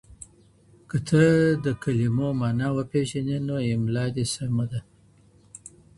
که ته د کلمو مانا وپېژنې نو املا دې سمه ده.